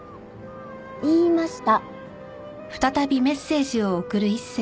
言いました。